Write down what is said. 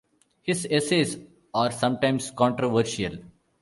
His essays are sometimes controversial.